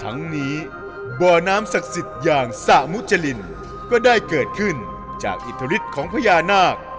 ทั้งนี้บ่อน้ำศักดิ์สิทธิ์อย่างสระมุจรินก็ได้เกิดขึ้นจากอิทธิฤทธิ์ของพญานาค